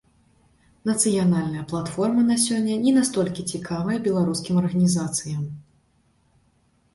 Нацыянальная платформа на сёння не настолькі цікавая беларускім арганізацыям.